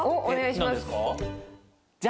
何ですか？